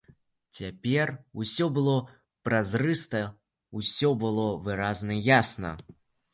Цяпер усё было празрыста, усё было выразна і ясна.